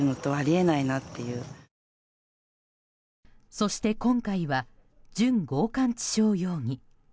そして今回は準強姦致傷容疑。